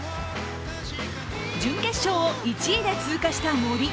準決勝を１位で通過した森。